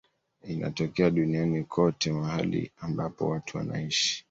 Inatokea duniani kote mahali ambapo watu wanaishi.